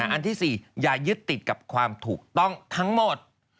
อันที่๔อย่ายึดติดกับความถูกต้องทั้งหมด